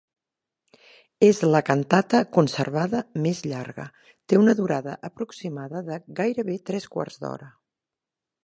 És la cantata conservada més llarga, té una durada aproximada de gairebé tres quarts d'hora.